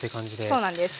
そうなんです。